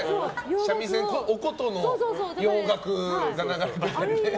三味線、お琴の洋楽が流れてたりね。